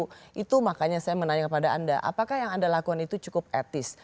jadi makanya saya menanyakan kepada anda apakah yang anda lakukan itu cukup etis